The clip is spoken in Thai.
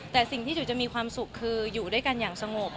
แต่สิ่งที่จุ๋ยจะมีความสุขคืออยู่ด้วยกันอย่างสงบ